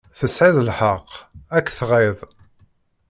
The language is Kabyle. Tesεiḍ lḥeqq ad k-tɣiḍ.